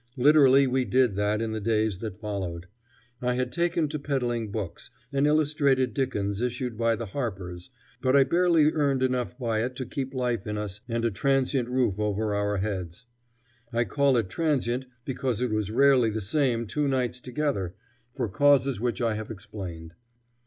Literally we did that in the days that followed. I had taken to peddling books, an illustrated Dickens issued by the Harpers, but I barely earned enough by it to keep life in us and a transient roof over our heads. I call it transient because it was rarely the same two nights together, for causes which I have explained.